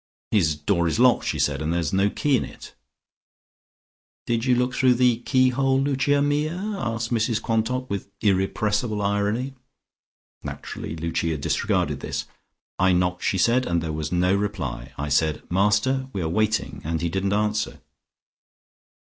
"His door is locked", she said; "and yet there's no key in it." "Did you look through the keyhole, Lucia mia?" asked Mrs Quantock, with irrepressible irony. Naturally Lucia disregarded this. "I knocked," she said, "and there was no reply. I said, 'Master, we are waiting,' and he didn't answer."